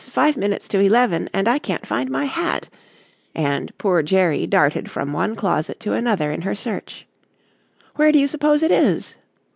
Five minutes to eleven, and I can't find my hat," and poor Jerry darted from one closet to another in her search. "Where do you suppose it is?"